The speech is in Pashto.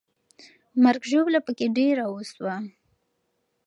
مرګ او ژوبله پکې ډېره وسوه.